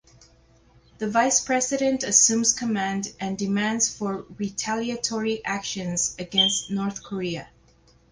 The Vice President assumes command and demands for retaliatory actions against North Korea.